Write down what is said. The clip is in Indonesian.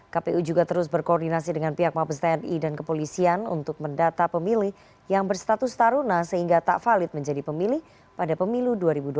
kpu juga terus berkoordinasi dengan pihak mabes tni dan kepolisian untuk mendata pemilih yang berstatus taruna sehingga tak valid menjadi pemilih pada pemilu dua ribu dua puluh